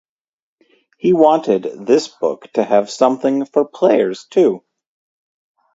He wanted this book to have something for players too.